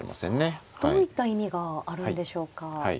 どういった意味があるんでしょうか。